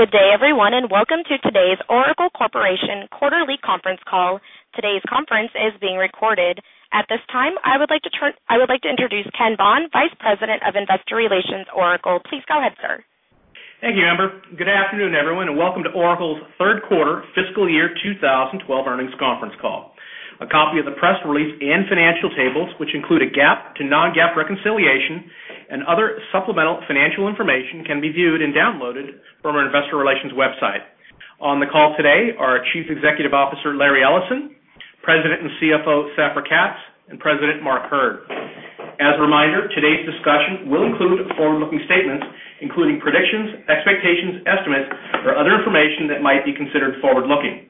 Good day, everyone, and welcome to today's Oracle Corporation Quarterly Conference Call. Today's conference is being recorded. At this time, I would like to introduce Ken Bond, Vice President of Investor Relations, Oracle. Please go ahead, sir. Thank you, Amber. Good afternoon, everyone, and welcome to Oracle's third quarter, fiscal year 2012 earnings conference call. A copy of the press release and financial tables, which include a GAAP to non-GAAP reconciliation and other supplemental financial information, can be viewed and downloaded from our Investor Relations website. On the call today are Chief Executive Officer Larry Ellison, President and CFO Safra Catz, and President Mark Hurd. As a reminder, today's discussion will include forward-looking statements, including predictions, expectations, estimates, or other information that might be considered forward-looking.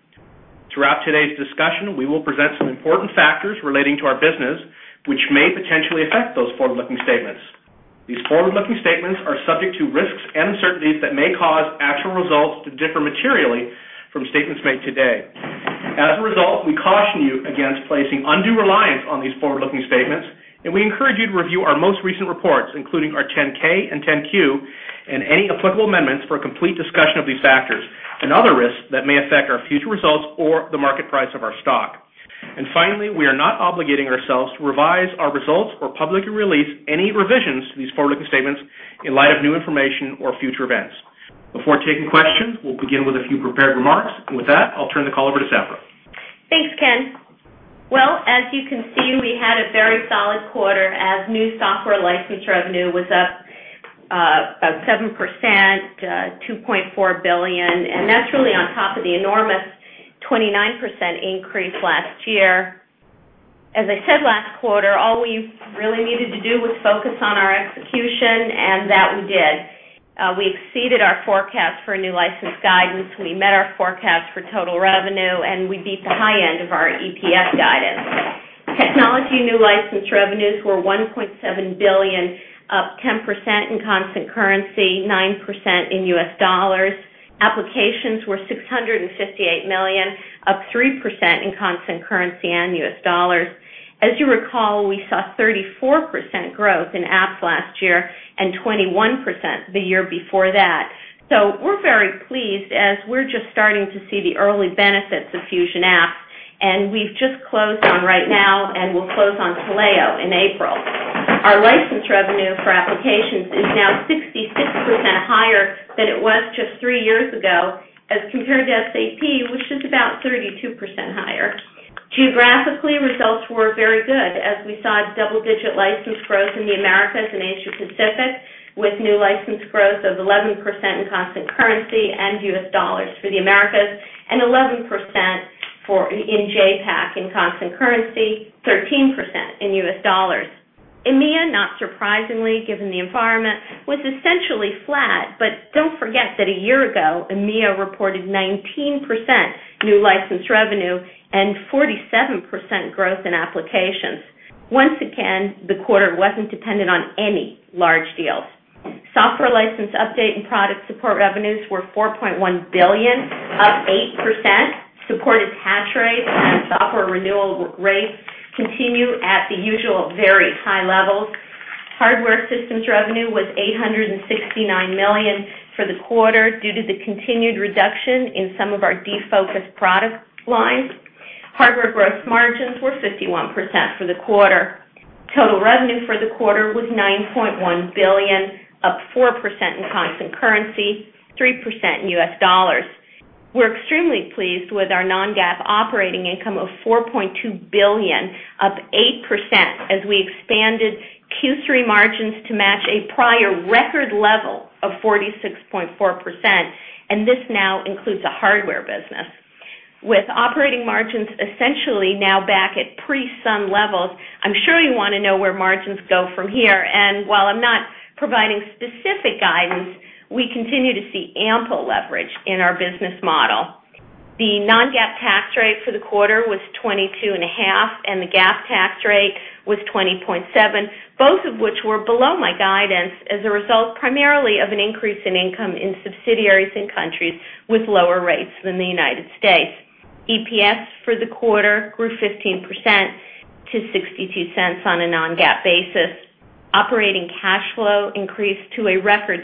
Throughout today's discussion, we will present some important factors relating to our business, which may potentially affect those forward-looking statements. These forward-looking statements are subject to risks and uncertainties that may cause actual results to differ materially from statements made today. As a result, we caution you against placing undue reliance on these forward-looking statements, and we encourage you to review our most recent reports, including our 10-K and 10-Q, and any applicable amendments for a complete discussion of these factors and other risks that may affect our future results or the market price of our stock. Finally, we are not obligating ourselves to revise our results or publicly release any revisions to these forward-looking statements in light of new information or future events. Before taking questions, we'll begin with a few prepared remarks. With that, I'll turn the call over to Safra. Thanks, Ken. As you can see, we had a very solid quarter as new software license revenue was up about 7% to $2.4 billion, and that's really on top of the enormous 29% increase last year. As I said last quarter, all we really needed to do was focus on our execution, and that we did. We exceeded our forecast for new license guidance. We met our forecast for total revenue, and we beat the high end of our EPS guidance. Technology new license revenues were $1.7 billion, up 10% in constant currency, 9% in U.S. dollars. Applications were $658 million, up 3% in constant currency and U.S. dollars. As you recall, we saw 34% growth in apps last year and 21% the year before that. We're very pleased as we're just starting to see the early benefits of Fusion Apps, and we've just closed on RightNow and will close on Taleo in April. Our license revenue for applications is now 66% higher than it was just three years ago as compared to SAP, which is about 32% higher. Geographically, results were very good as we saw double-digit license growth in the Americas and Asia-Pacific, with new license growth of 11% in constant currency and U.S. dollars for the Americas and 11% in Japan in constant currency, 13% in U.S. dollars. EMEA, not surprisingly, given the environment, was essentially flat. Don't forget that a year ago, EMEA reported 19% new license revenue and 47% growth in applications. Once again, the quarter wasn't dependent on any large deals. Software license update and product support revenues were $4.1 billion, up 8%. Supported patch rates and software renewal rates continue at the usual very high level. Hardware systems revenue was $869 million for the quarter due to the continued reduction in some of our defocused product lines. Hardware gross margins were 51% for the quarter. Total revenue for the quarter was $9.1 billion, up 4% in constant currency, 3% in U.S. dollars. We're extremely pleased with our non-GAAP operating income of $4.2 billion, up 8% as we expanded Q3 margins to match a prior record level of 46.4%. This now includes a hardware business. With operating margins essentially now back at pre-Sun levels, I'm sure you want to know where margins go from here. While I'm not providing specific guidance, we continue to see ample leverage in our business model. The non-GAAP tax rate for the quarter was 22.5%, and the GAAP tax rate was 20.7%, both of which were below my guidance as a result primarily of an increase in income in subsidiaries in countries with lower rates than the United States. EPS for the quarter grew 15% to $0.62 on a non-GAAP basis. Operating cash flow increased to a record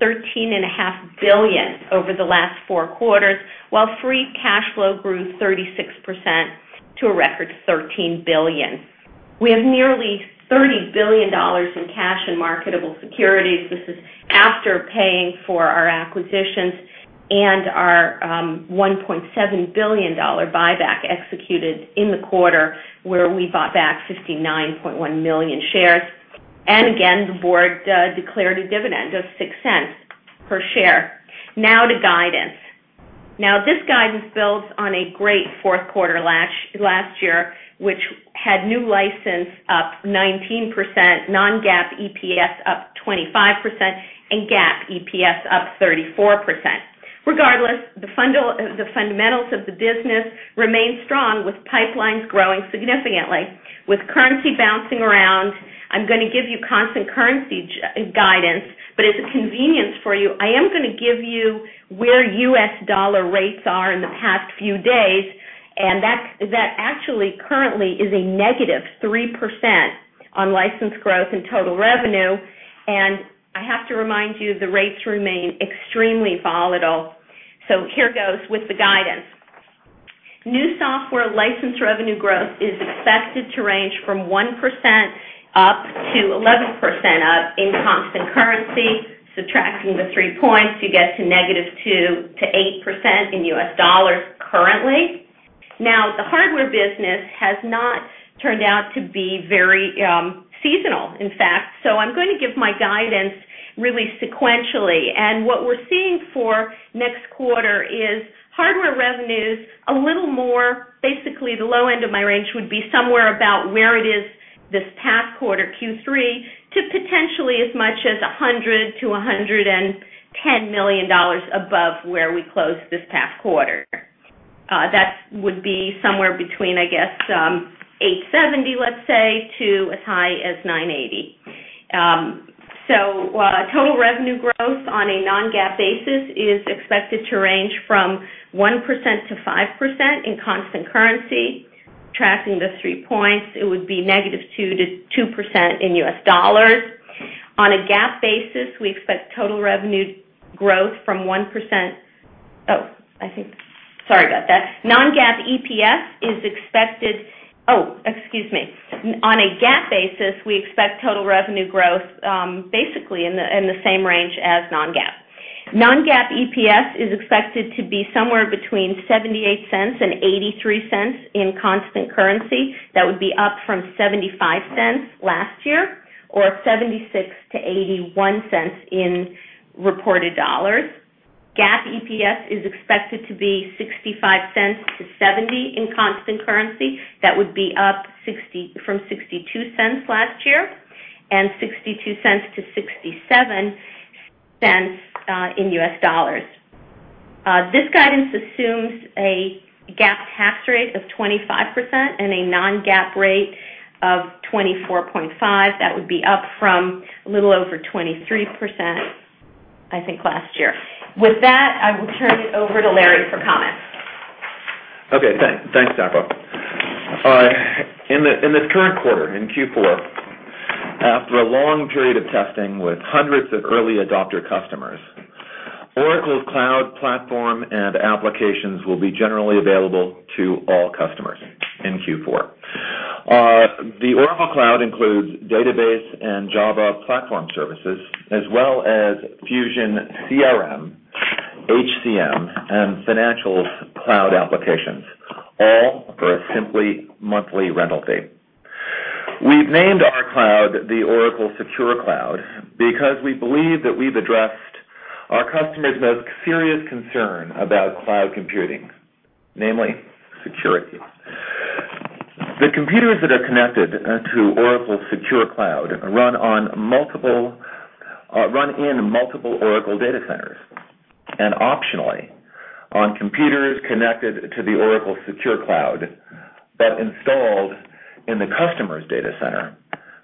$13.5 billion over the last four quarters, while free cash flow grew 36% to a record $13 billion. We have nearly $30 billion in cash and marketable securities. This is after paying for our acquisitions and our $1.7 billion buyback executed in the quarter where we bought back 59.1 million shares. The board declared a dividend of $0.06 per share. Now to guidance. This guidance builds on a great fourth quarter last year, which had new license up 19%, non-GAAP EPS up 25%, and GAAP EPS up 34%. Regardless, the fundamentals of the business remain strong with pipelines growing significantly. With currency bouncing around, I'm going to give you constant currency guidance. As a convenience for you, I am going to give you where U.S. dollar rates are in the past few days. That actually currently is a -3% on license growth and total revenue. I have to remind you the rates remain extremely volatile. Here goes with the guidance. New software license revenue growth is expected to range from 1% up to 11% up in constant currency. Subtracting the three points, you get to -2% to 8% in U.S. dollars currently. The hardware business has not turned out to be very seasonal, in fact. I'm going to give my guidance really sequentially. What we're seeing for next quarter is hardware revenues a little more, basically the low end of my range would be somewhere about where it is this past quarter Q3 to potentially as much as $100 million-$110 million above where we closed this past quarter. That would be somewhere between, I guess, $870, let's say, to as high as $980. Total revenue growth on a non-GAAP basis is expected to range from 1%-5% in constant currency. Subtracting the three points, it would be -2% to 2% in U.S. dollars. On a GAAP basis, we expect total revenue growth from 1%. Non-GAAP EPS is expected, excuse me. On a GAAP basis, we expect total revenue growth basically in the same range as non-GAAP. Non-GAAP EPS is expected to be somewhere between $0.78 and $0.83 in constant currency. That would be up from $0.75 last year or $0.76-$0.81 in reported dollars. GAAP EPS is expected to be $0.65-$0.70 in constant currency. That would be up from $0.62 last year and $0.62-$0.67 in U.S. dollars. This guidance assumes a GAAP tax rate of 25% and a non-GAAP rate of 24.5%. That would be up from a little over 23%, I think, last year. With that, I will turn it over to Larry for comments. OK. Thanks, Safra. In this current quarter, in Q4, after a long period of testing with hundreds of early adopter customers, Oracle's cloud platform and applications will be generally available to all customers in Q4. The Oracle Cloud includes database and Java platform services, as well as Fusion CRM, HCM, and financials cloud applications, all for a simple monthly rental fee. We've named our cloud the Oracle Secure Cloud because we believe that we've addressed our customers' most serious concern about cloud computing, namely security. The computers that are connected to Oracle Secure Cloud run in multiple Oracle data centers and optionally on computers connected to the Oracle Secure Cloud that are installed in the customer's data center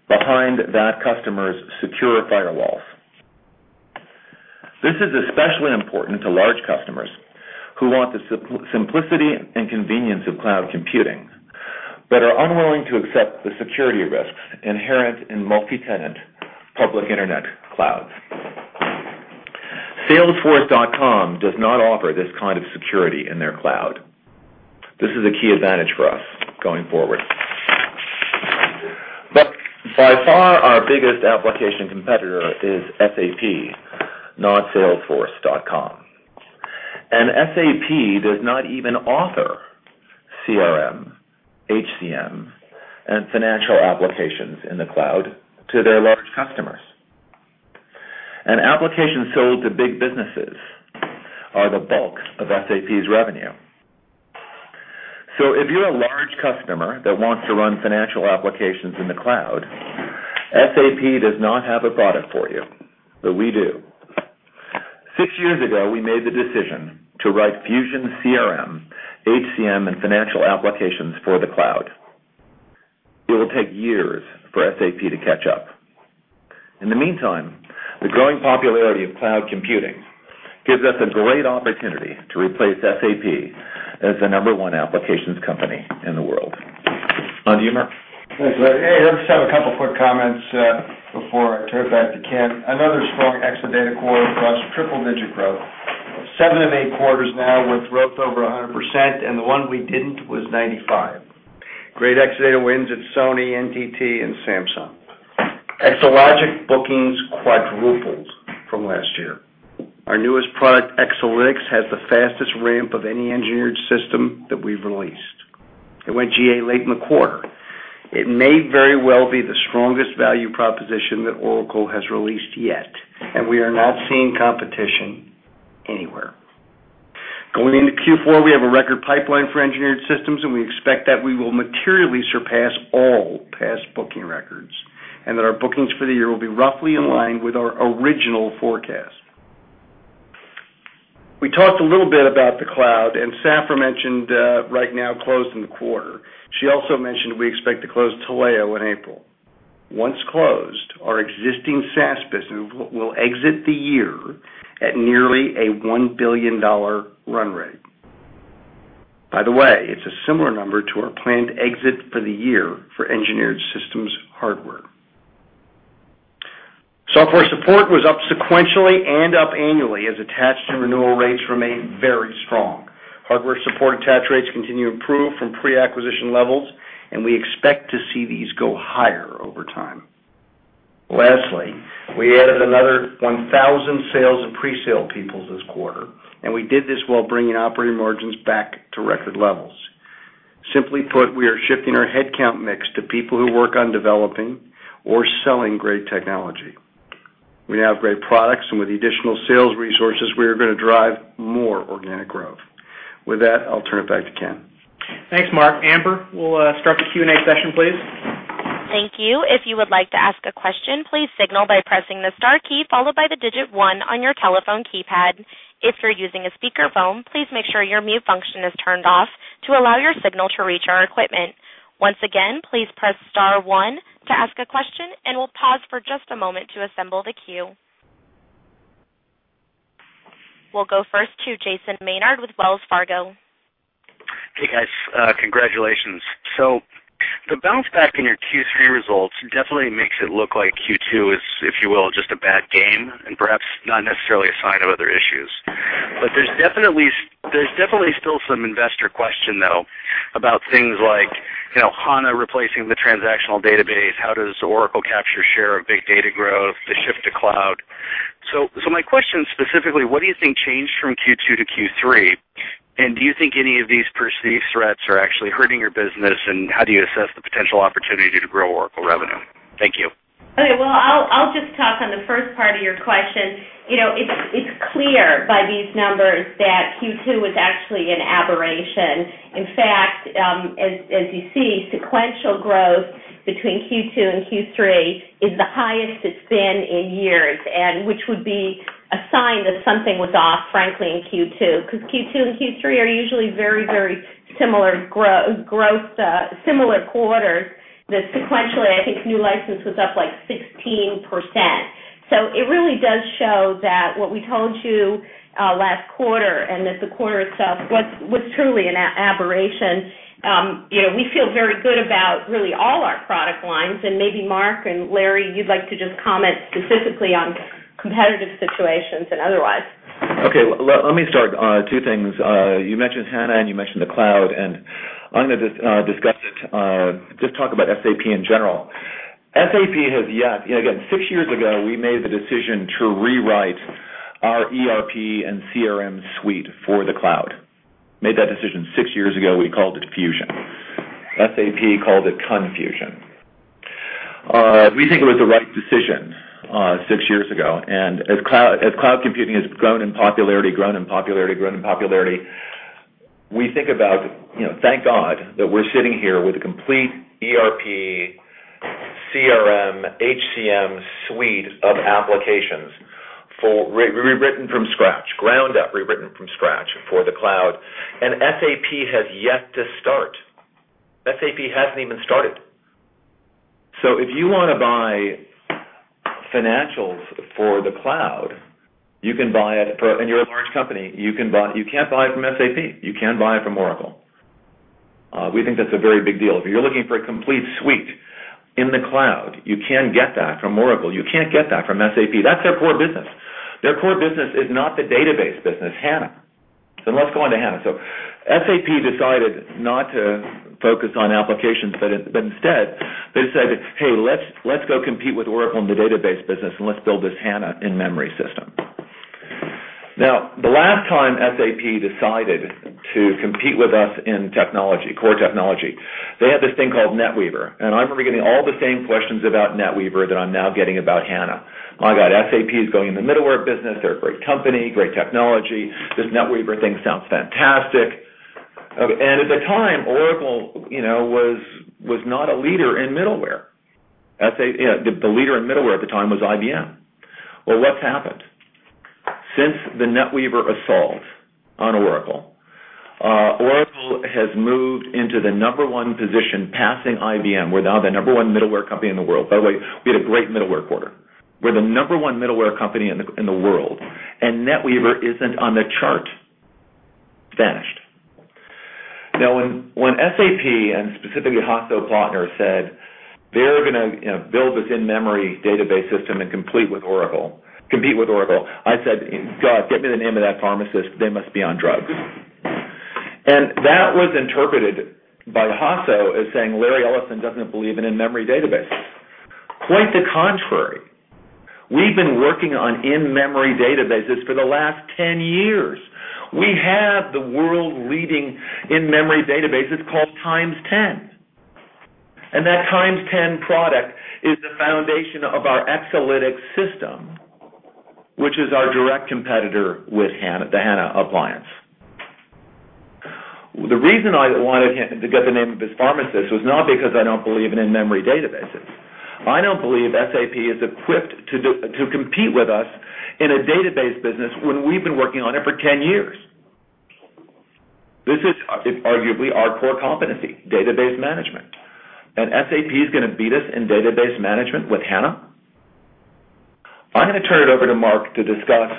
behind that customer's secure firewalls. This is especially important to large customers who want the simplicity and convenience of cloud computing but are unwilling to accept the security risks inherent in multi-tenant public internet clouds. Salesforce.com does not offer this kind of security in their cloud. This is a key advantage for us going forward. By far, our biggest application competitor is SAP, not Salesforce.com. SAP does not even offer CRM, HCM, and financial applications in the cloud to their large customers. Applications sold to big businesses are the bulk of SAP's revenue. If you're a large customer that wants to run financial applications in the cloud, SAP does not have a product for you, but we do. Six years ago, we made the decision to write Fusion CRM, HCM, and financial applications for the cloud. It will take years for SAP to catch up. In the meantime, the growing popularity of cloud computing gives us a great opportunity to replace SAP as the number one applications company in the world. On to you, Mark. Thanks, Larry. Hey, I just have a couple of quick comments before I turn it back to Ken. Another strong Exadata quarter across triple-digit growth. Seven of eight quarters now with growth over 100%, and the one we didn't was 95%. Great Exadata wins at Sony, NTT, and Samsung. Exalogic bookings quadrupled from last year. Our newest product, Exalytics, has the fastest ramp of any engineered system that we've released. It went GA late in the quarter. It may very well be the strongest value proposition that Oracle has released yet, and we are not seeing competition anywhere. Going into Q4, we have a record pipeline for engineered systems, and we expect that we will materially surpass all past booking records and that our bookings for the year will be roughly in line with our original forecast. We talked a little bit about the cloud, and Safra mentioned RightNow closing the quarter. She also mentioned we expect to close Taleo in April. Once closed, our existing SaaS business will exit the year at nearly a $1 billion run rate. By the way, it's a similar number to our planned exit for the year for engineered systems hardware. Software support was up sequentially and up annually as attached to renewal rates remain very strong. Hardware support attach rates continue to improve from pre-acquisition levels, and we expect to see these go higher over time. Lastly, we added another 1,000 sales and pre-sale people this quarter, and we did this while bringing operating margins back to record levels. Simply put, we are shifting our headcount mix to people who work on developing or selling great technology. We have great products, and with the additional sales resources, we are going to drive more organic growth. With that, I'll turn it back to Ken. Thanks, Mark. Amber, we'll start the Q&A session, please. Thank you. If you would like to ask a question, please signal by pressing the star key followed by the digit one on your telephone keypad. If you're using a speaker phone, please make sure your mute function is turned off to allow your signal to reach our equipment. Once again, please press star one to ask a question, and we'll pause for just a moment to assemble the queue. We'll go first to Jason Maynard with Wells Fargo. Hey, guys. Congratulations. The bounce back in your Q3 results definitely makes it look like Q2 is, if you will, just a bad game and perhaps not necessarily a sign of other issues. There's definitely still some investor question, though, about things like HANA replacing the transactional database. How does Oracle capture share of big data growth, the shift to cloud? My question specifically, what do you think changed from Q2 to Q3, and do you think any of these perceived threats are actually hurting your business, and how do you assess the potential opportunity to grow Oracle revenue? Thank you. OK. I'll just talk on the first part of your question. You know, it's clear by these numbers that Q2 is actually an aberration. In fact, as you see, sequential growth between Q2 and Q3 is the highest it's been in years, which would be a sign that something was off, frankly, in Q2. Q2 and Q3 are usually very, very similar growth, similar quarters that sequentially, I think, new license was up like 16%. It really does show that what we told you last quarter and that the quarter itself was truly an aberration. We feel very good about really all our product lines. Maybe, Mark and Larry, you'd like to just comment specifically on competitive situations and otherwise. OK. Let me start. Two things. You mentioned HANA, and you mentioned the cloud. I'm going to just discuss it, just talk about SAP in general. SAP has yet, again, six years ago, we made the decision to rewrite our ERP and CRM suite for the cloud. Made that decision six years ago. We called it Fusion. SAP called it confusion. We think it was the right decision six years ago. As cloud computing has grown in popularity, grown in popularity, grown in popularity, we think about, thank God, that we're sitting here with a complete ERP, CRM, HCM suite of applications rewritten from scratch, ground up rewritten from scratch for the cloud. SAP has yet to start. SAP hasn't even started. If you want to buy financials for the cloud, you can buy it, and you're a large company, you can't buy it from SAP. You can buy it from Oracle. We think that's a very big deal. If you're looking for a complete suite in the cloud, you can get that from Oracle. You can't get that from SAP. That's their core business. Their core business is not the database business, HANA. Let's go on to HANA. SAP decided not to focus on applications, but instead, they decided, hey, let's go compete with Oracle in the database business, and let's build this HANA in-memory system. The last time SAP decided to compete with us in technology, core technology, they had this thing called NetWeaver. I remember getting all the same questions about NetWeaver that I'm now getting about HANA. I got SAP is going in the middleware business. They're a great company, great technology. This NetWeaver thing sounds fantastic. At the time, Oracle was not a leader in middleware. The leader in middleware at the time was IBM. What's happened? Since the NetWeaver assault on Oracle, Oracle has moved into the number one position, passing IBM, where they are the number one middleware company in the world. By the way, we had a great middleware quarter. We're the number one middleware company in the world, and NetWeaver isn't on the chart. It's vanished. When SAP, and specifically Hasso Plattner, said they're going to build this in-memory database system and compete with Oracle, I said, God, get me the name of that pharmacist. They must be on drugs. That was interpreted by Hasso as saying Larry Ellison doesn't believe in in-memory databases. Quite the contrary. We've been working on in-memory databases for the last 10 years. We have the world-leading in-memory database. It's called X10. That X10 product is the foundation of our Exalytics system, which is our direct competitor with the HANA appliance. The reason I wanted to get the name of this pharmacist was not because I don't believe in in-memory databases. I don't believe SAP is equipped to compete with us in a database business when we've been working on it for 10 years. This is arguably our core competency, database management. SAP is going to beat us in database management with HANA? I'm going to turn it over to Mark to discuss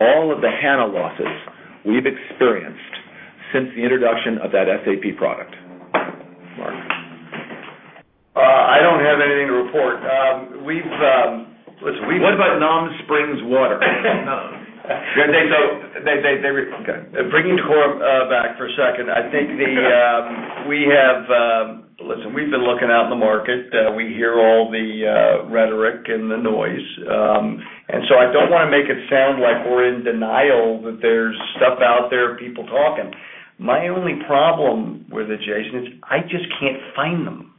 all of the HANA losses we've experienced since the introduction of that SAP product. Mark? I don't have anything to report. We've listened. What about [non-springs] Water? No. OK. Bringing decorum back for a second, I think we have, listen, we've been looking out in the market. We hear all the rhetoric and the noise. I don't want to make it sound like we're in denial that there's stuff out there, people talking. My only problem with it, Jason, is I just can't find them.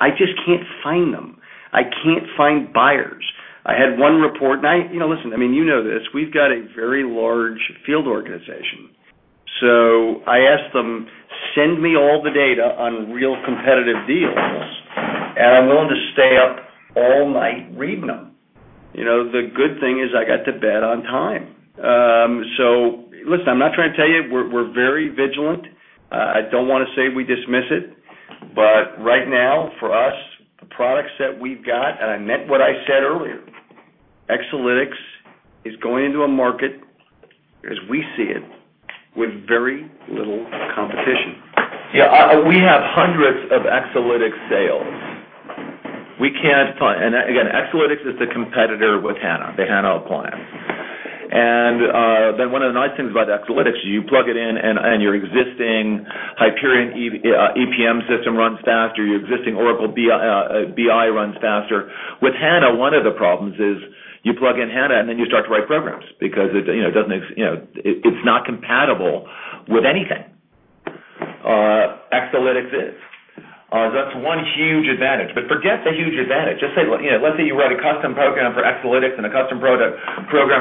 I just can't find them. I can't find buyers. I had one report, and you know this. We've got a very large field organization. I asked them, send me all the data on real competitive deals, and I'm willing to stay up all night reading them. The good thing is I got to bed on time. I'm not trying to tell you. We're very vigilant. I don't want to say we dismiss it. Right now, for us, the products that we've got, and I meant what I said earlier, Exalytics is going into a market, as we see it, with very little competition. Yeah. We have hundreds of Exalytics sales. We can't find, and again, Exalytics is the competitor with HANA, their HANA appliance. One of the nice things about Exalytics is you plug it in, and your existing Hyperion EPM system runs faster. Your existing Oracle BI runs faster. With HANA, one of the problems is you plug in HANA, and then you start to write programs because it's not compatible with anything. Exalytics is. That's one huge advantage. Forget the huge advantage. Let's say you write a custom program for Exalytics and a custom program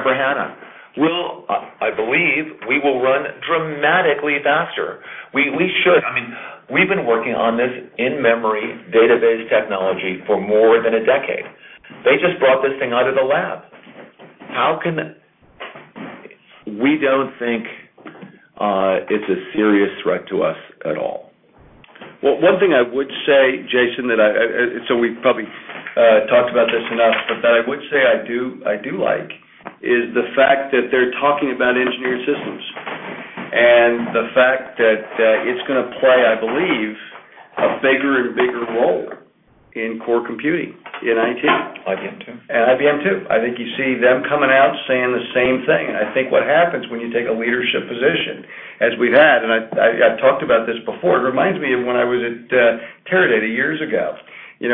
for HANA. I believe we will run dramatically faster. We should. I mean, we've been working on this in-memory database technology for more than a decade. They just brought this thing out of the lab. I don't think it's a serious threat to us at all. One thing I would say, Jason, that I do like is the fact that they're talking about engineered systems and the fact that it's going to play, I believe, a bigger and bigger role in core computing in IT. IBM too. IBM too. I think you see them coming out saying the same thing. I think what happens when you take a leadership position, as we've had, and I talked about this before, it reminds me of when I was at Teradata years ago.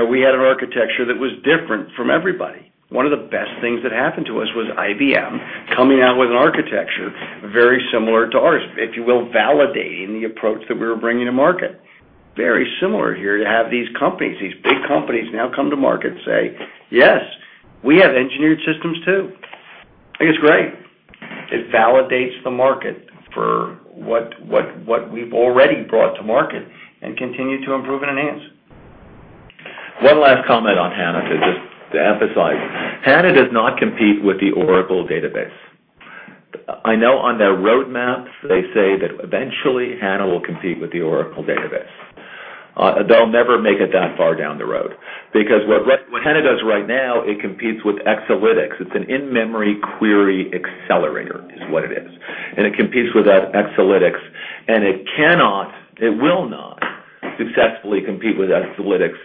We had an architecture that was different from everybody. One of the best things that happened to us was IBM coming out with an architecture very similar to ours, if you will, validating the approach that we were bringing to market. Very similar here to have these companies, these big companies now come to market and say, yes, we have engineered systems too. I think it's great. It validates the market for what we've already brought to market and continue to improve and enhance. One last comment on HANA to just emphasize. HANA does not compete with the Oracle Database. I know on their roadmap, they say that eventually HANA will compete with the Oracle Database. They'll never make it that far down the road because what HANA does right now, it competes with Exalytics. It's an in-memory query accelerator is what it is. It competes with Exalytics, and it cannot, it will not successfully compete with Exalytics,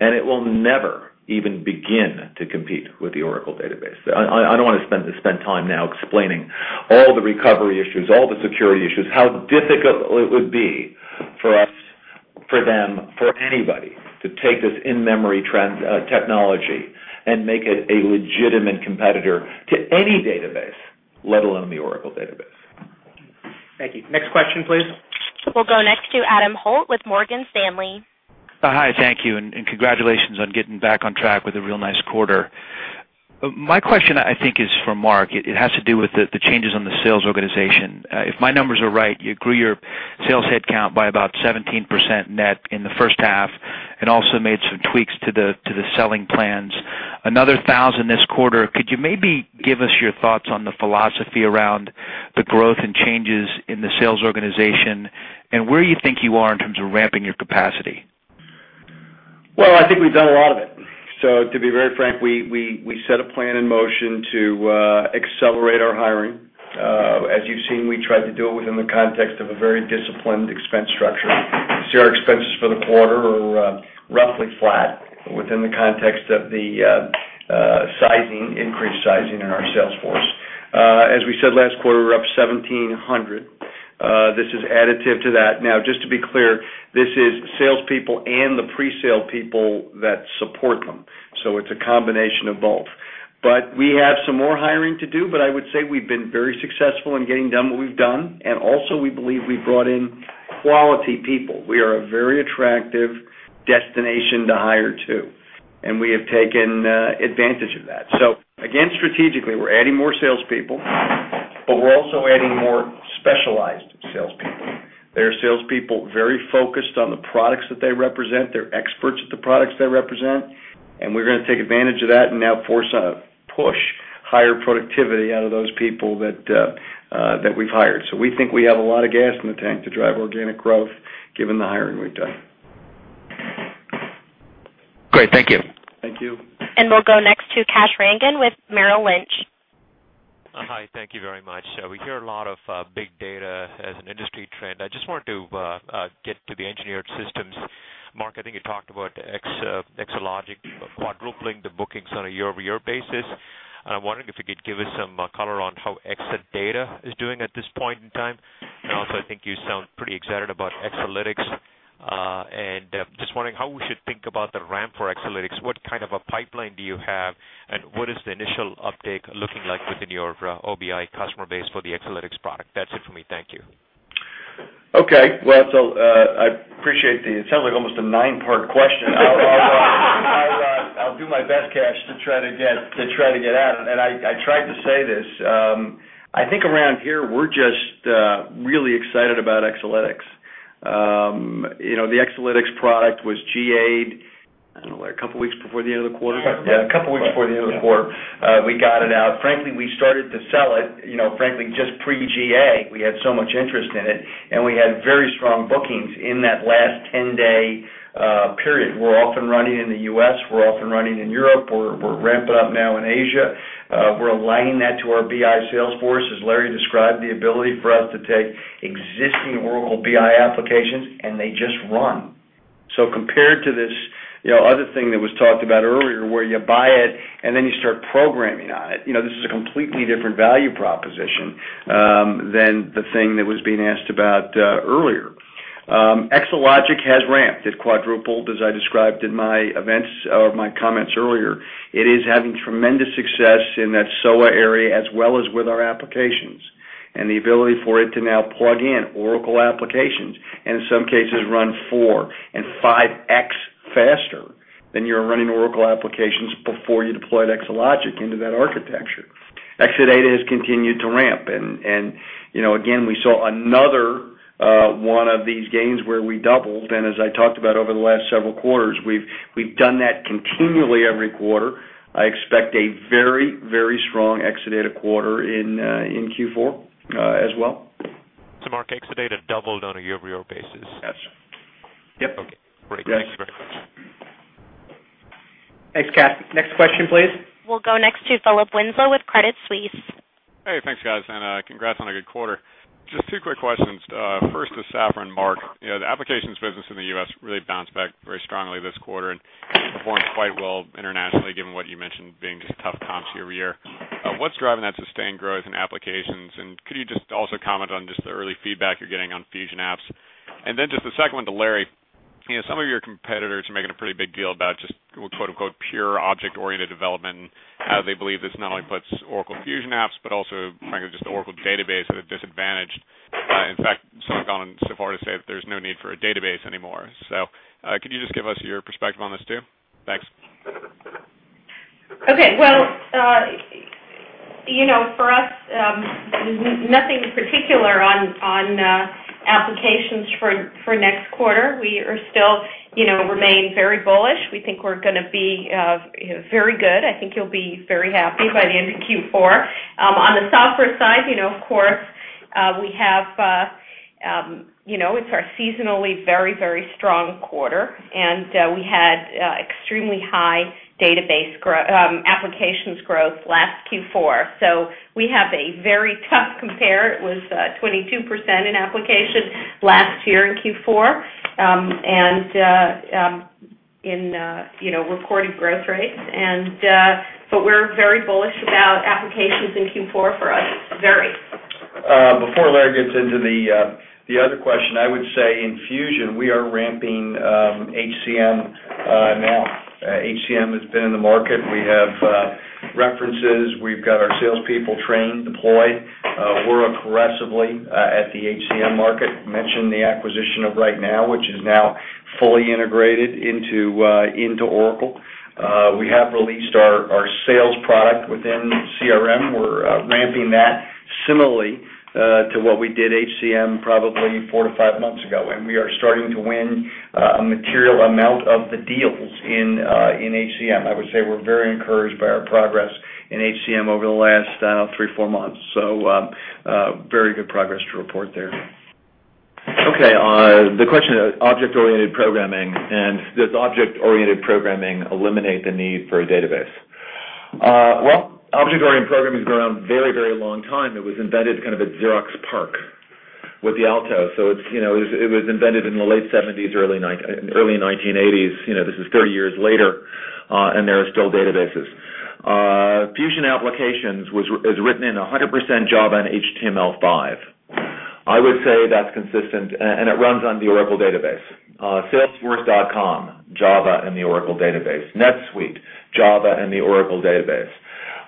and it will never even begin to compete with the Oracle Database. I don't want to spend time now explaining all the recovery issues, all the security issues, how difficult it would be for us, for them, for anybody to take this in-memory technology and make it a legitimate competitor to any database, let alone the Oracle Database. Thank you. Next question, please. Will go next to Adam Holt with Morgan Stanley. Hi. Thank you and congratulations on getting back on track with a real nice quarter. My question, I think, is for Mark. It has to do with the changes on the sales organization. If my numbers are right, you grew your sales headcount by about 17% net in the first half and also made some tweaks to the selling plans. Another 1,000 this quarter. Could you maybe give us your thoughts on the philosophy around the growth and changes in the sales organization and where you think you are in terms of ramping your capacity? I think we've done a lot of it. To be very frank, we set a plan in motion to accelerate our hiring. As you've seen, we tried to do it within the context of a very disciplined expense structure. Share expenses for the quarter are roughly flat within the context of the increased sizing in our sales force. As we said last quarter, we're up 1,700. This is additive to that. Just to be clear, this is salespeople and the pre-sale people that support them. It's a combination of both. We have some more hiring to do. I would say we've been very successful in getting done what we've done. We believe we've brought in quality people. We are a very attractive destination to hire to, and we have taken advantage of that. Again, strategically, we're adding more salespeople, but we're also adding more specialized salespeople. There are salespeople very focused on the products that they represent. They're experts at the products they represent. We're going to take advantage of that and now force a push, higher productivity out of those people that we've hired. We think we have a lot of gas in the tank to drive organic growth given the hiring we've done. Great. Thank you. Thank you. We will go next to Kash Rangan with Merrill Lynch. Hi. Thank you very much. We hear a lot of big data as an industry trend. I just wanted to get to the engineered systems. Mark, I think you talked about Exalogic quadrupling the bookings on a year-over-year basis. I'm wondering if you could give us some color on how Exadata is doing at this point in time. I think you sound pretty excited about Exalytics. I'm just wondering how we should think about the ramp for Exalytics. What kind of a pipeline do you have, and what is the initial uptake looking like within your OBI customer base for the Exalytics product? That's it for me. Thank you. OK. I appreciate the, it sounds like almost a nine-part question. I'll do my best, Kash, to try to get at it. I tried to say this. I think around here, we're just really excited about Exalytics. The Exalytics product was GA'd a couple of weeks before the end of the quarter. Yeah, a couple of weeks before the end of the quarter. We got it out. Frankly, we started to sell it, frankly, just pre-GA. We had so much interest in it, and we had very strong bookings in that last 10-day period. We're off and running in the U.S. We're off and running in Europe. We're ramping up now in Asia. We're aligning that to our BI sales force. As Larry described, the ability for us to take existing Oracle BI applications, and they just run. Compared to this other thing that was talked about earlier where you buy it and then you start programming on it, this is a completely different value proposition than the thing that was being asked about earlier. Exalogic has ramped. It quadrupled, as I described in my comments earlier. It is having tremendous success in that SOA area, as well as with our applications. The ability for it to now plug in Oracle applications and in some cases run 4x and 5x faster than you're running Oracle applications before you deployed Exalogic into that architecture. Exadata has continued to ramp. Again, we saw another one of these gains where we doubled. As I talked about over the last several quarters, we've done that continually every quarter. I expect a very, very strong Exadata quarter in Q4 as well. Mark, Exadata doubled on a year-over-year basis. Yes. Yep. OK. Great. Thank you very much. Thanks, Kash. Next question, please. We'll go next to Philip Winslow with Credit Suisse. Hey, thanks, guys, and congrats on a good quarter. Just two quick questions. First to Safra and Mark. The applications business in the U.S. really bounced back very strongly this quarter and performed quite well internationally, given what you mentioned being just tough comps year over year. What's driving that sustained growth in applications? Could you just also comment on just the early feedback you're getting on Fusion Apps? The second one to Larry. Some of your competitors are making a pretty big deal about just "pure object-oriented development," and how they believe this not only puts Oracle Fusion Apps, but also, frankly, just the Oracle Database at a disadvantage. In fact, some have gone so far to say that there's no need for a database anymore. Could you just give us your perspective on this too? Thanks. OK. For us, nothing particular on applications for next quarter. We still remain very bullish. We think we're going to be very good. I think you'll be very happy by the end of Q4. On the software side, of course, it's our seasonally very, very strong quarter. We had extremely high database applications growth last Q4, so we have a very tough compare. It was 22% in applications last year in Q4 in recorded growth rates. We're very bullish about applications in Q4 for us, very. Before Larry gets into the other question, I would say in Fusion, we are ramping HCM now. HCM has been in the market. We have references. We've got our salespeople trained, deployed. We're aggressively at the HCM market. I mentioned the acquisition of RightNow, which is now fully integrated into Oracle. We have released our sales product within CRM. We're ramping that similarly to what we did HCM probably four to five months ago. We are starting to win a material amount of the deals in HCM. I would say we're very encouraged by our progress in HCM over the last three or four months. Very good progress to report there. OK. The question is object-oriented programming. Does object-oriented programming eliminate the need for a database? Object-oriented programming has been around a very, very long time. It was invented kind of at Xerox PARC with the Alto. It was invented in the late 1970s, early 1980s. This is 30 years later, and there are still databases. Fusion Applications is written in 100% Java and HTML5. I would say that's consistent, and it runs on the Oracle Database. Salesforce.com, Java and the Oracle Database. NetSuite, Java and the Oracle Database.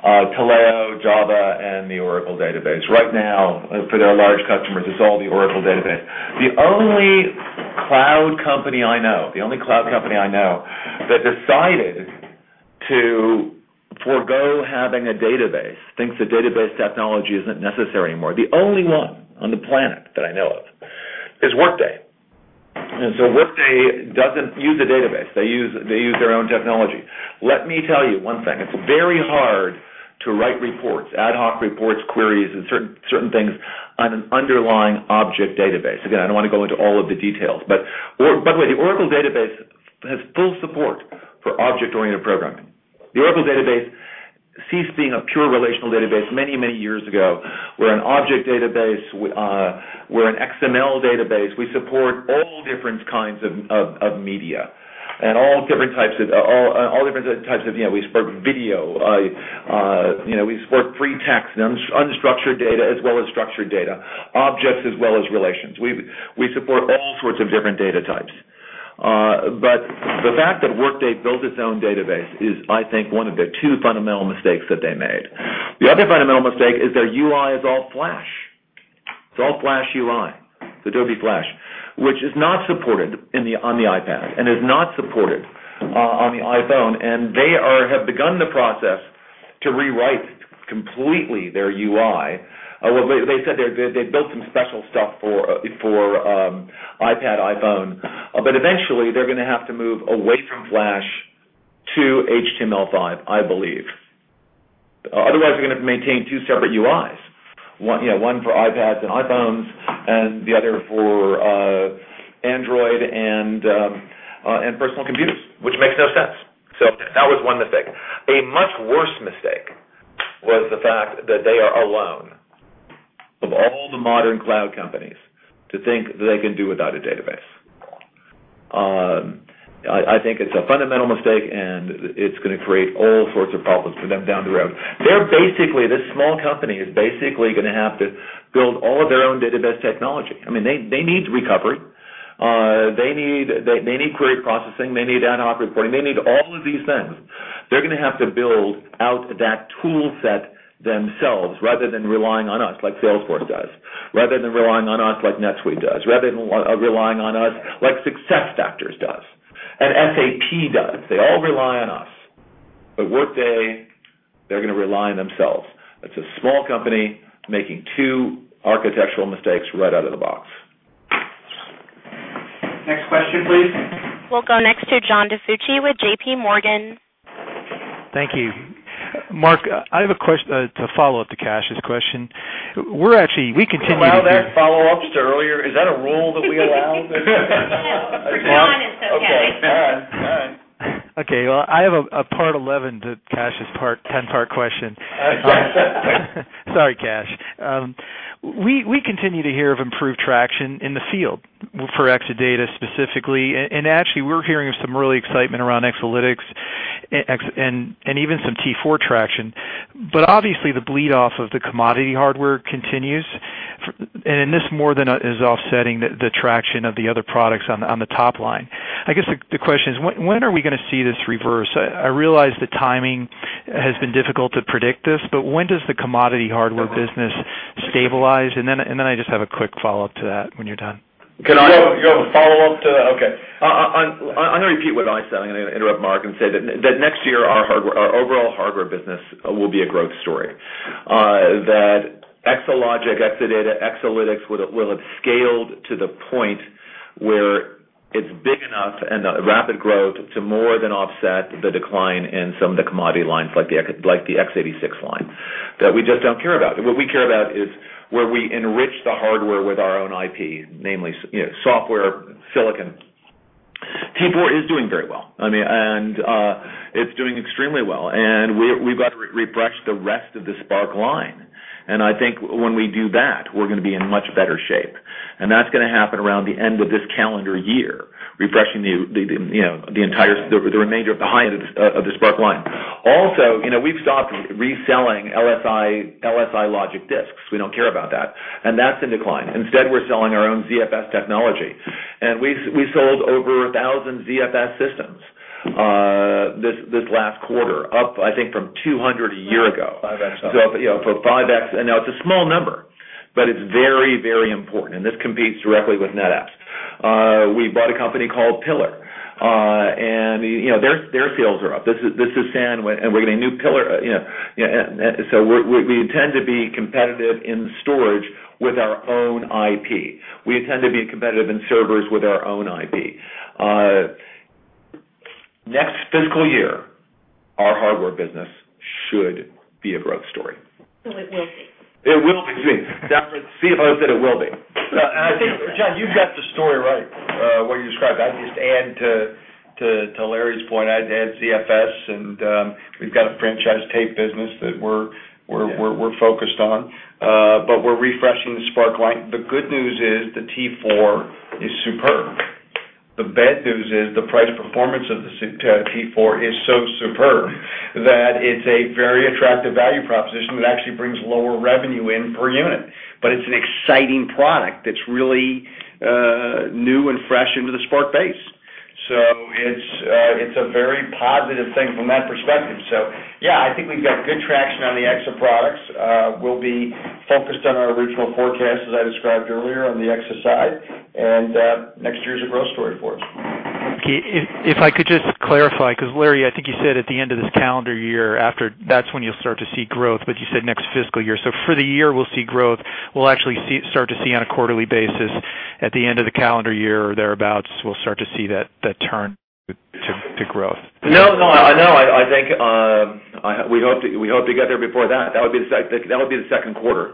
Taleo, Java and the Oracle Database. RightNow, for their large customers, it's all the Oracle Database. The only cloud company I know, the only cloud company I know that decided to forego having a database, thinks that database technology isn't necessary anymore, the only one on the planet that I know of is Workday. Workday doesn't use a database. They use their own technology. Let me tell you one thing. It's very hard to write reports, ad hoc reports, queries, and certain things on an underlying object database. I don't want to go into all of the details. By the way, the Oracle Database has full support for object-oriented programming. The Oracle Database ceased being a pure relational database many, many years ago. We're an object database. We're an XML database. We support all different kinds of media and all different types of, you know, we support video. We support free text, unstructured data, as well as structured data, objects, as well as relations. We support all sorts of different data types. The fact that Workday built its own database is, I think, one of the two fundamental mistakes that they made. The other fundamental mistake is their UI is all Flash. It's all Flash UI. It's Adobe Flash, which is not supported on the iPad and is not supported on the iPhone. They have begun the process to rewrite completely their UI. They said they built some special stuff for iPad, iPhone. Eventually, they're going to have to move away from Flash to HTML5, I believe. Otherwise, they're going to have to maintain two separate UIs, one for iPads and iPhones and the other for Android and personal computers, which makes no sense. That was one mistake. A much worse mistake was the fact that they are alone of all the modern cloud companies to think that they can do without a database. I think it's a fundamental mistake, and it's going to create all sorts of problems for them down the road. They're basically, this small company is basically going to have to build all of their own database technology. I mean, they need recovery, they need query processing, they need ad hoc reporting, they need all of these things. They're going to have to build out that tool set themselves rather than relying on us, like Salesforce.com does, rather than relying on us, like NetSuite does, rather than relying on us, like SuccessFactors does and SAP does. They all rely on us. Workday, they're going to rely on themselves. It's a small company making two architectural mistakes right out of the box. Next question, please. We'll go next to John DiFucci with JPMorgan. Thank you. Mark, I have a question to follow up to Kash's question. We actually continue to give. Are there follow-ups to earlier? Is that a rule that we allow? It's time and subject. OK, all right. OK. I have a part 11 to Kash's 10-part question. OK. Sorry, Kash. We continue to hear of improved traction in the field for Exadata specifically. Actually, we're hearing of some early excitement around Exalytics and even some T4 traction. Obviously, the bleed-off of the commodity hardware continues, and this more than is offsetting the traction of the other products on the top line. I guess the question is, when are we going to see this reverse? I realize the timing has been difficult to predict, but when does the commodity hardware business stabilize? I just have a quick follow-up to that when you're done. Can I have a follow-up to that? OK. I'm going to repeat what I said. I'm going to interrupt Mark and say that next year, our overall hardware business will be a growth story. Exalogic, Exadata, Exalytics will have scaled to the point where it's big enough and rapid growth to more than offset the decline in some of the commodity lines, like the x86 line, that we just don't care about. What we care about is where we enrich the hardware with our own IP, namely software silicon. T4 is doing very well. I mean, it's doing extremely well. We've got to refresh the rest of the SPARC line. I think when we do that, we're going to be in much better shape. That's going to happen around the end of this calendar year, refreshing the remainder of the high end of the SPARC line. Also, we've stopped reselling LSI Logic disks. We don't care about that, and that's in decline. Instead, we're selling our own ZFS technology. We sold over 1,000 ZFS systems this last quarter, up, I think, from 200 a year ago. 5x. For 5x. Now it's a small number, but it's very, very important. This competes directly with NetApp. We bought a company called Pillar, and their sales are up. This is SAN, and we're getting a new Pillar. We intend to be competitive in storage with our own IP. We intend to be competitive in servers with our own IP. Next fiscal year, our hardware business should be a growth story. We will see. It will be. Excuse me. The CFO said it will be. I think. John, you've got the story right, what you described. I just add to Larry's point. I'd add ZFS. We've got a franchise tape business that we're focused on. We're refreshing the SPARC line. The good news is the T4 is superb. The bad news is the price performance of the T4 is so superb that it's a very attractive value proposition that actually brings lower revenue in per unit. It's an exciting product that's really new and fresh into the SPARC base. It's a very positive thing from that perspective. I think we've got good traction on the Exa products. We'll be focused on our original forecast, as I described earlier, on the Exa side. Next year is a growth story for us. If I could just clarify, because Larry, I think you said at the end of this calendar year, after that's when you'll start to see growth. You said next fiscal year. For the year, we'll see growth. We'll actually start to see on a quarterly basis at the end of the calendar year or thereabouts, we'll start to see that turn to growth. I think we hope to get there before that. That would be the second quarter.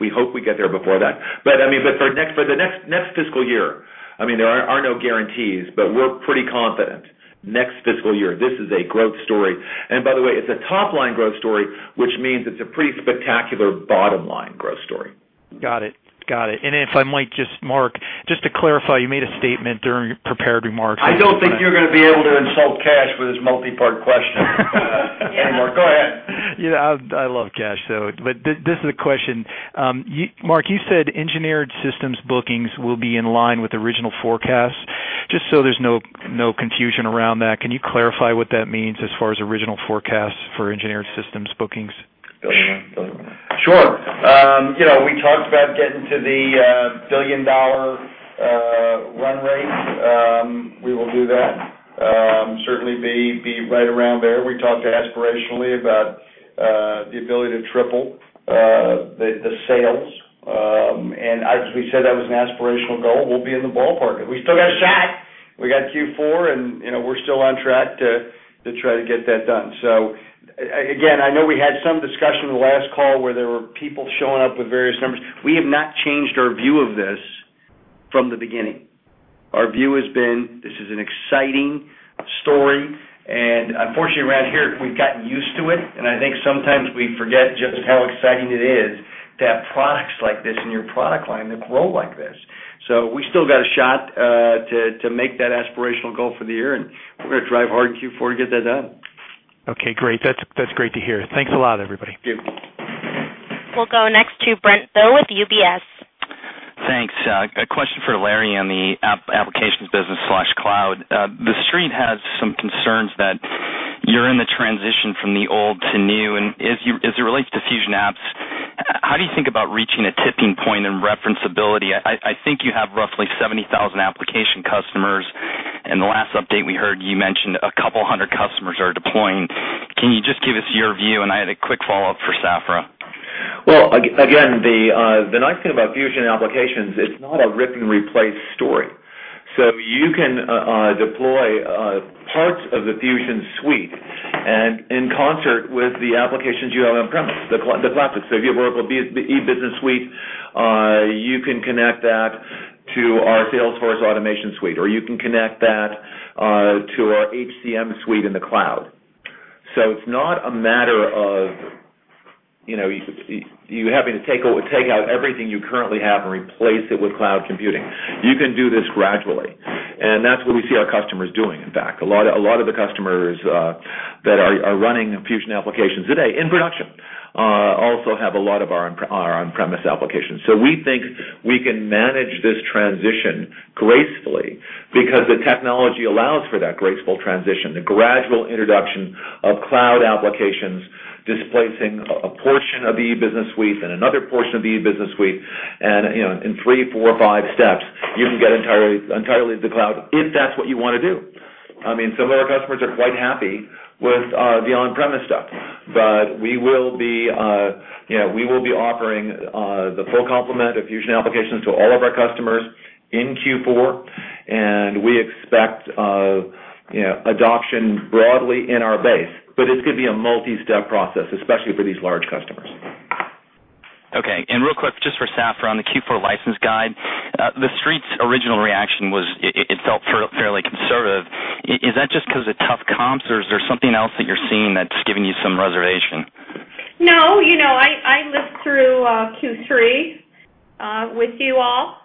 We hope we get there before that. For the next fiscal year, there are no guarantees, but we're pretty confident next fiscal year, this is a growth story. By the way, it's a top-line growth story, which means it's a pretty spectacular bottom-line growth story. Got it. Got it. Mark, just to clarify, you made a statement during prepared remarks. I don't think you're going to be able to insult Kash with his multi-part question anymore. Go ahead. I love Kash. This is a question. Mark, you said engineered systems bookings will be in line with original forecasts. Just so there's no confusion around that, can you clarify what that means as far as original forecasts for engineered systems bookings? Sure. You know, we talked about getting to the billion-dollar run rate. We will do that. Certainly be right around there. We talked aspirationally about the ability to triple the sales, and as we said, that was an aspirational goal. We'll be in the ballpark. We still got a shot. We got Q4, and we're still on track to try to get that done. I know we had some discussion in the last call where there were people showing up with various numbers. We have not changed our view of this from the beginning. Our view has been this is an exciting story. Unfortunately, around here, we've gotten used to it. I think sometimes we forget just how exciting it is to have products like this in your product line that grow like this. We still got a shot to make that aspirational goal for the year, and we're going to drive hard in Q4 to get that done. OK, great. That's great to hear. Thanks a lot, everybody. Thank you. We'll go next to Brent Thill with UBS. Thanks. A question for Larry on the applications business/cloud. The street has some concerns that you're in the transition from the old to new. As it relates to Fusion Apps, how do you think about reaching a tipping point in referenceability? I think you have roughly 70,000 application customers. In the last update we heard, you mentioned a couple hundred customers are deploying. Can you just give us your view? I had a quick follow-up for Safra. The nice thing about Fusion Applications, it's not a rip and replace story. You can deploy parts of the Fusion Suite in concert with the applications you have on-premise, the classics. If you have a business suite, you can connect that to our Salesforce Automation Suite, or you can connect that to our HCM Suite in the cloud. It's not a matter of you having to take out everything you currently have and replace it with cloud computing. You can do this gradually. That's what we see our customers doing, in fact. A lot of the customers that are running Fusion Applications today in production also have a lot of our on-premise applications. We think we can manage this transition gracefully because the technology allows for that graceful transition, the gradual introduction of cloud applications displacing a portion of the e-business suite and another portion of the e-business suite. In three, four, five steps, you can get entirely to the cloud if that's what you want to do. Some of our customers are quite happy with the on-premise stuff. We will be offering the full complement of Fusion Applications to all of our customers in Q4. We expect adoption broadly in our base. This could be a multi-step process, especially for these large customers. OK. Real quick, just for Safra on the Q4 license guide, the street's original reaction was it felt fairly conservative. Is that just because of tough comps, or is there something else that you're seeing that's giving you some reservation? No. You know, I lived through Q3 with you all,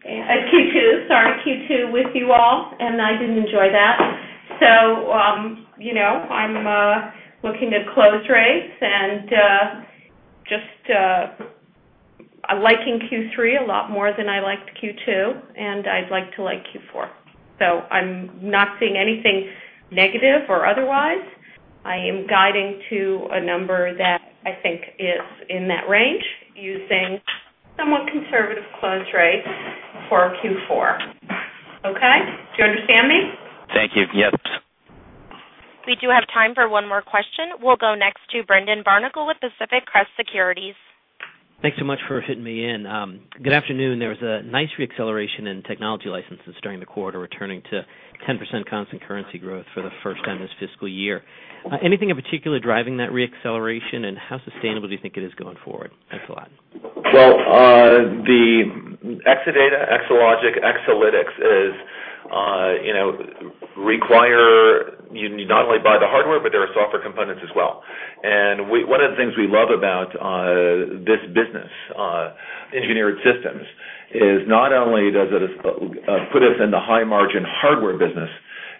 sorry, Q2 with you all, and I didn't enjoy that. You know, I'm looking to close rates and just liking Q3 a lot more than I liked Q2. I'd like to like Q4. I'm not seeing anything negative or otherwise. I am guiding to a number that I think is in that range, using somewhat conservative close rates for Q4. OK? Do you understand me? Thank you. Yep. We do have time for one more question. We'll go next to Brendan Barnicle with Pacific Crest Securities. Thanks so much for fitting me in. Good afternoon. There was a nice re-acceleration in technology licenses during the quarter, returning to 10% constant currency growth for the first time this fiscal year. Anything in particular driving that re-acceleration? How sustainable do you think it is going forward? Thanks a lot. The Exadata, Exalogic, Exalytics require you not only buy the hardware, but there are software components as well. One of the things we love about this business, engineered systems, is not only does it put us in the high-margin hardware business,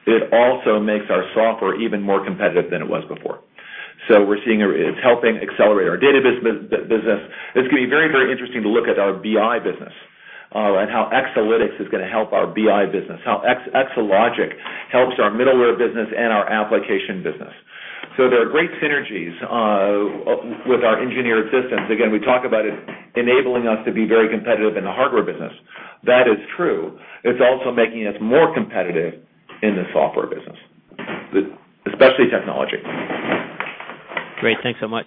it also makes our software even more competitive than it was before. We're seeing it's helping accelerate our database business. It's going to be very, very interesting to look at our BI business and how Exalytics is going to help our BI business, how Exalogic helps our middleware business and our application business. There are great synergies with our engineered systems. Again, we talk about it enabling us to be very competitive in the hardware business. That is true. It's also making us more competitive in the software business, especially technology. Great, thanks so much.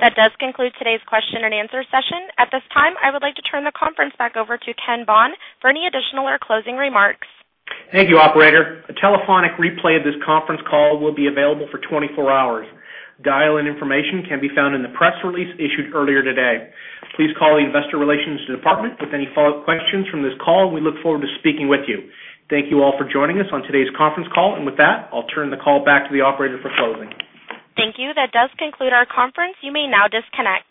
That does conclude today's question and answer session. At this time, I would like to turn the conference back over to Ken Bond for any additional or closing remarks. Thank you, operator. A telephonic replay of this conference call will be available for 24 hours. Dial-in information can be found in the press release issued earlier today. Please call the Investor Relations Department with any follow-up questions from this call. We look forward to speaking with you. Thank you all for joining us on today's conference call. I'll turn the call back to the operator for closing. Thank you. That does conclude our conference. You may now disconnect.